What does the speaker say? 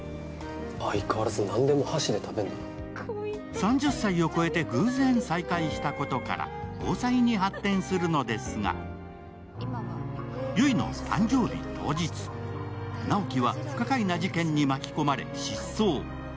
３０歳を超えて偶然再会したことから交際に発展するのですが、悠依の誕生日当日、直木は不可解な事件に巻き込まれ失踪。